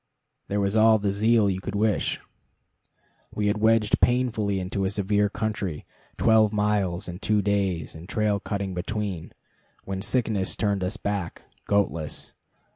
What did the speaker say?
There was all the zeal you could wish. We had wedged painfully into a severe country twelve miles in two days, and trail cutting between when sickness turned us back, goatless.